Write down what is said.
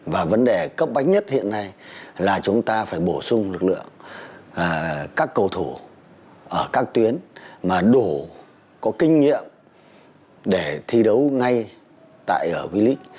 và vấn đề cấp bánh nhất hiện nay là chúng ta phải bổ sung lực lượng các cầu thủ ở các tuyến mà đủ có kinh nghiệm để thi đấu ngay tại ở v league